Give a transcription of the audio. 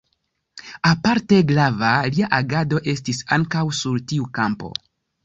Aparte grava lia agado estis ankaŭ sur tiu kampo.